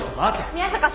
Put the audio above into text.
宮坂さん